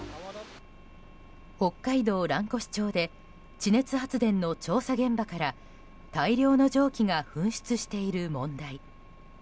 北海道蘭越町で地熱発電の調査現場から大量の蒸気が噴出している問題。